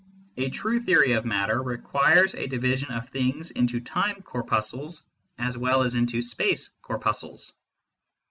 A true theory of matter requires a division of things into time corpuscles as well as into space corpuscles.